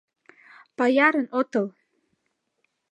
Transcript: Паярын отыл.